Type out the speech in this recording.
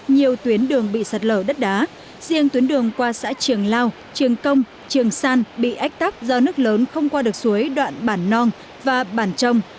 nhiều tuyến đường bị sạt lở đất đá riêng tuyến đường qua xã trường lao trường công trường san bị ách tắc do nước lớn không qua được suối đoạn bản nong và bản trông